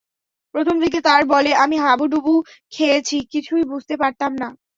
প্রথম দিকে তাঁর বলে আমি হাবুডুবু খেয়েছি, কিছুই বুঝতে পারতাম না।